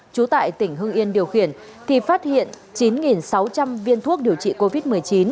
trú tại tỉnh hưng yên điều khiển thì phát hiện chín sáu trăm linh viên thuốc điều trị covid một mươi chín